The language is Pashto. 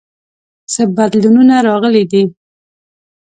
څه بدلونونه راغلي دي؟